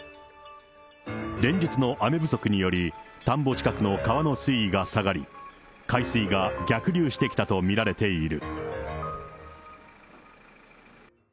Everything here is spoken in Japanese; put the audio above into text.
連日の雨不足により、田んぼ近くの川の水位が下がり、海水が逆流してきたと見られている。